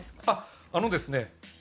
あっあのですね